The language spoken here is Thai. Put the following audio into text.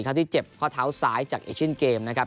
เท่าที่เจ็บข้อเท้าซ้ายจากเอเชียนเกมนะครับ